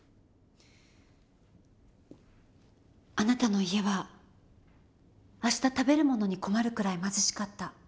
あなたの家は明日食べる物に困るくらい貧しかった。